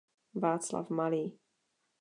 Václav Malý.